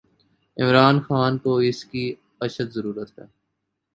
عمران خان کواس کی اشدضرورت ہے۔